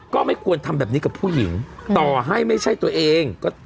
ก็ไม่ควรทำแบบนี้กับผู้หญิงต่อให้ไม่ใช่ตัวเองก็